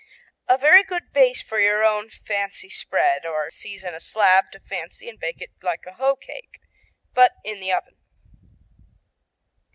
A very good base for your own fancy spread, or season a slab to fancy and bake it like a hoe cake, but in the oven.